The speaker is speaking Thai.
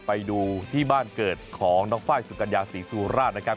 ไปดูที่บ้านเกิดของน้องไฟล์สุกัญญาศรีสุราชนะครับ